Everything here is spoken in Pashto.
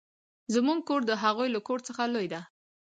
زموږ کور د هغوې له کور څخه لوي ده.